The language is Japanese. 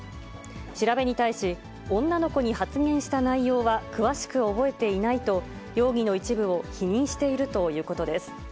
調べに対し、女の子に発言した内容は詳しく覚えていないと、容疑の一部を否認しているということです。